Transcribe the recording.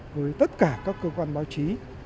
với tất cả các cơ quan báo chí